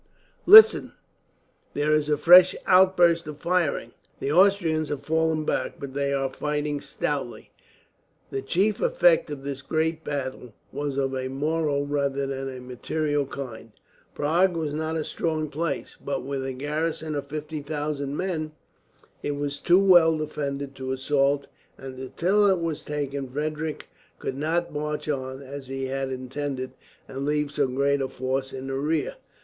"Listen! There is a fresh outburst of firing. The Austrians have fallen back, but they are fighting stoutly." The chief effect of this great battle was of a moral, rather than material kind. Prague was not a strong place, but with a garrison of 50,000 men it was too well defended to assault; and until it was taken Frederick could not march on, as he had intended, and leave so great a force in the rear.